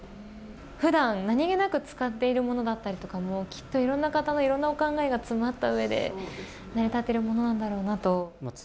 普段、なにげなく使っているものだったりとかもきっといろんな方のいろんなお考えが詰まった上で成り立っているものなんだなと。